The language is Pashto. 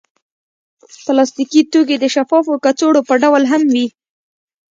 پلاستيکي توکي د شفافو کڅوړو په ډول هم وي.